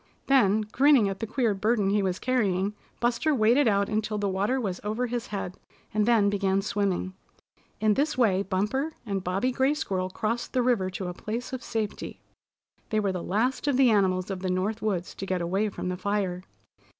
Then, grinning at the queer burden he was carrying, Buster waded out until the water was over his head, and then began swimming. In this way Bumper and Bobby Gray Squirrel crossed the river to a place of safety. They were the last of the animals of the North Woods to get away from the fire.